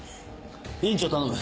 院長を頼む。